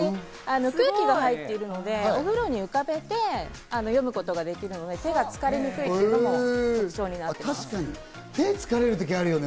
空気が入っているので、お風呂に浮かべて読むことができるので手が疲れにくいというのもあります。